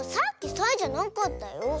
サイじゃなかった。